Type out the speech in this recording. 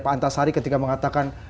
pak antasari ketika mengatakan